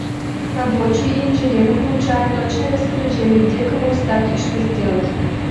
Рабочие и инженеры получают точное распоряжение, где кому встать и что сделать.